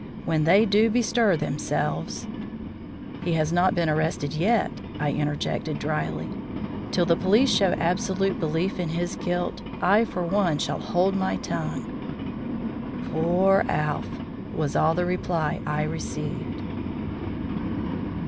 When they do bestir themselves " "He has not been arrested yet," I interjected dryly. "Till the police show absolute belief in his guilt, I for one shall hold my tongue." "Poor Alph!" was all the reply I received.